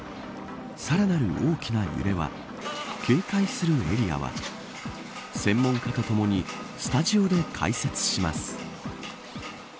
さらなる大きな揺れは警戒するエリアは専門家とともにスタジオで解説します。